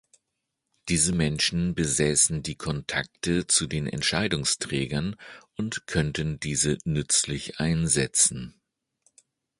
Diese Menschen besäßen die Kontakte zu den Entscheidungsträgern und könnten diese nützlich einsetzen.